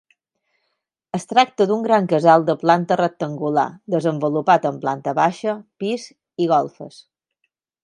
Es tracta d'un gran casal de planta rectangular, desenvolupat en planta baixa, pis i golfes.